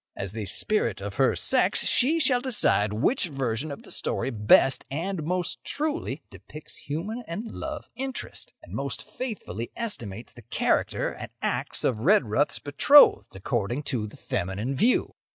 As the Spirit of her Sex she shall decide which version of the story best and most truly depicts human and love interest, and most faithfully estimates the character and acts of Redruth's betrothed according to the feminine view.